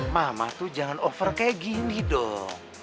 mama tuh jangan over kayak gini dong